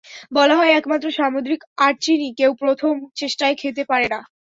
বলা হয়, একমাত্র সামুদ্রিক আর্চিনই, কেউ প্রথম চেষ্টায় খেতে পারে না।